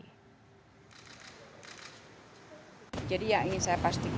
kjri mengawal proses hukum kasus ini guna memastikan hak kompensasi terhadap korban bisa terpenuhi